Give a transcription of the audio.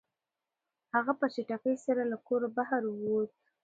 هغه په چټکۍ سره له کوره بهر ووت.